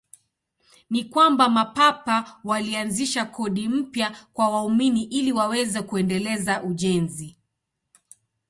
Ni kwamba Mapapa walianzisha kodi mpya kwa waumini ili waweze kuendeleza ujenzi.